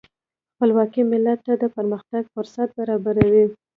خپلواکي ملت ته د پرمختګ فرصت برابروي.